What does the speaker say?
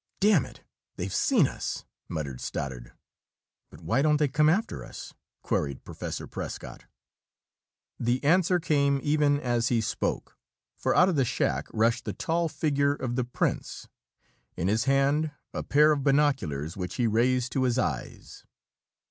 "Damn it, they've seen us!" muttered Stoddard. "But why don't they come after us?" queried Professor Prescott. The answer came even as he spoke, for out of the shack rushed the tall figure of the prince, in his hand a pair of binoculars which he raised to his eyes.